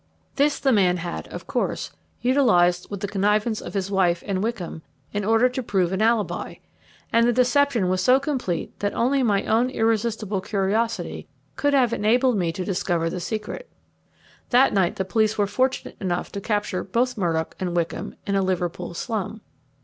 This the man had, of course, utilized with the connivance of his wife and Wickham in order to prove an alibi, and the deception was so complete that only my own irresistible curiosity could have enabled me to discover the secret. That night the police were fortunate enough to capture both Murdock and Wickham in a Liverpool slum.